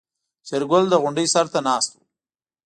شېرګل د غونډۍ سر ته ناست و.